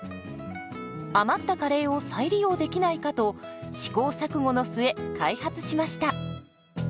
余ったカレーを再利用できないかと試行錯誤の末開発しました。